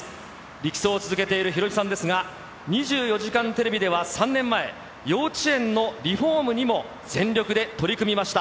力走を続けているヒロミさんですが、２４時間テレビでは３年前、幼稚園のリフォームにも全力で取り組みました。